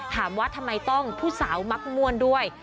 ถามว่าทำไมต้องผู้สาวมักม่วนด้วย